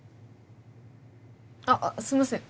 あっすいません